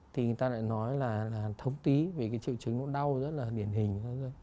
thì người ta lại nói là thống tí về cái triệu chứng nó đau rất là điển hình